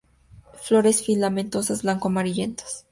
Flores filamentosas, blanco amarillentas.